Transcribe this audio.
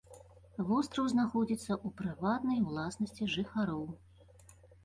Востраў знаходзіцца ў прыватнай уласнасці жыхароў.